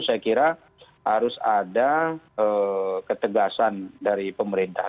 saya kira harus ada ketegasan dari pemerintah